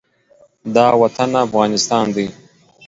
دا وطن افغانستان دی.